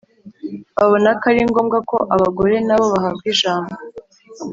babona ko ari ngombwa ko abagore na bo bahabwa ijambo,